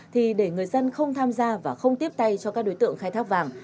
thì để người dân không tham gia và không tiếp tay cho các đối tượng khai thác vàng